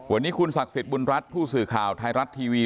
วันนี้คุณศักดิ์สิทธิ์บุญรัฐผู้สื่อข่าวไทยรัฐทีวี